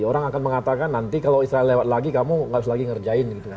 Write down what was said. orang akan mengatakan nanti kalau israel lewat lagi kamu nggak harus lagi ngerjain gitu kan